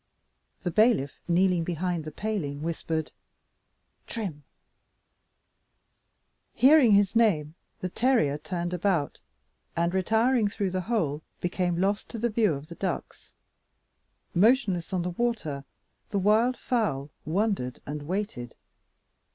The bailiff, kneeling behind the paling, whispered, "Trim!" Hearing his name, the terrier turned about, and retiring through the hole, became lost to the view of the ducks. Motionless on the water, the wild fowl wondered and waited.